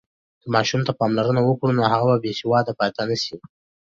که ماشوم ته پاملرنه وکړو، نو هغه به بېسواده پاتې نه سي.